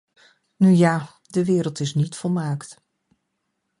Nu ja, de wereld is niet volmaakt.